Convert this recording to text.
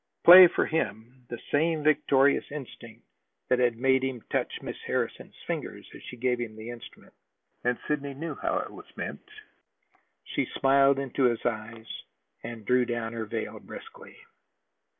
Play for him the same victorious instinct that had made him touch Miss Harrison's fingers as she gave him the instrument. And Sidney knew how it was meant; she smiled into his eyes and drew down her veil briskly.